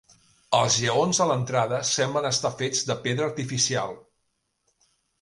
Els lleons de l'entrada semblen estar fets de pedra artificial.